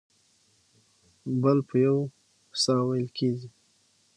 بل په یو ساه وېل کېږي.